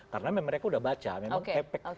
karena memang mereka udah baca memang efek